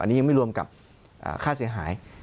อันนี้ยังไม่รวมกับค่าเสียหาย